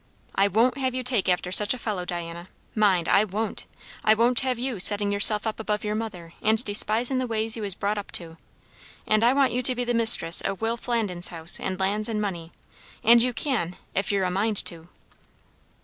I. won't have you take after such a fellow, Diana; mind, I won't. I won't have you settin' yourself up above your mother and despisin' the ways you was brought up to. And I want you to be mistress o' Will Flandin's house and lands and money; and you can, if you're a mind to."